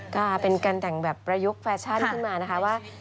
ก็เป็นการแต่งแบบประยุกต์แฟชั่นขึ้นมานะคะว่า